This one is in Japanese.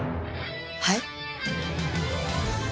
はい？